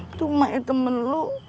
itu temen lo